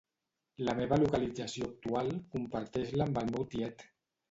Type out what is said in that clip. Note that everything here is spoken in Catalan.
La meva localització actual, comparteix-la amb el meu tiet.